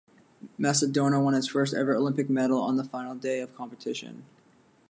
Macedonia won its first ever Olympic medal on the final day of competition.